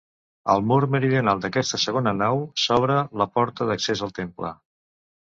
Al mur meridional d'aquesta segona nau s'obre la porta d'accés al temple.